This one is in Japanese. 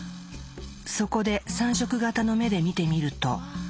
そこで３色型の目で見てみると。